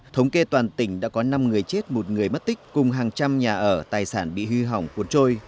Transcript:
thống kê toàn tỉnh đã có năm người chết một người mất tích cùng hàng trăm nhà ở tài sản bị hư hỏng cuốn trôi